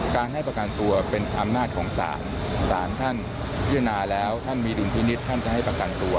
การให้ประกันตัวเป็นอำนาจของศาลศาลท่านพิจารณาแล้วท่านมีดุลพินิษฐ์ท่านจะให้ประกันตัว